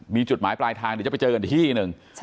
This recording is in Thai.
มีจุดหมายปลายทางจะไปเจออันที่นึง